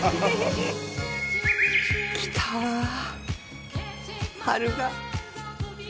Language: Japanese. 来たわぁ春が。